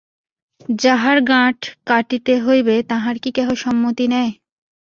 যাহার গাঁঠ কাটিতে হইবে তাহার কি কেহ সম্মতি নেয়।